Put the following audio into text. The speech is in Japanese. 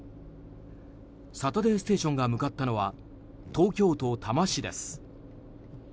「サタデーステーション」が向かったのは東京都多摩市です。